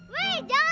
weh jangan lari